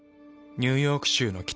ニューヨーク州の北。